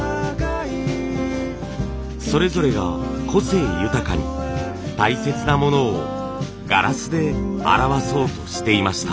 それぞれが個性豊かに大切なものをガラスで表そうとしていました。